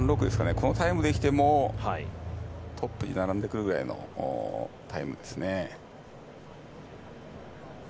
このタイムできてもトップに並んでくるくらいのタイムですね。